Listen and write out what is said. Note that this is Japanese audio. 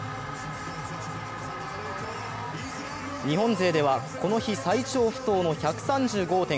日本勢では、この日最長不倒の１３５．５ｍ。